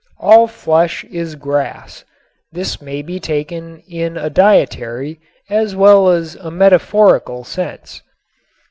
All flesh is grass. This may be taken in a dietary as well as a metaphorical sense.